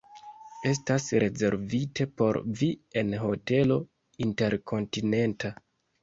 Estas rezervite por vi en Hotelo Interkontinenta!